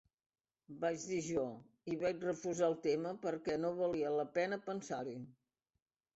Vaig dir jo, i vaig refusar el tema perquè no valia la pena pensar-hi.